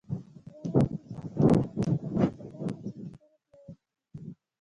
د ځوانانو د شخصي پرمختګ لپاره پکار ده چې لیکنه پیاوړې کړي.